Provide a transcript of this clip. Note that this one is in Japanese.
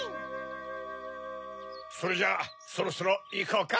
それじゃあそろそろいこうか。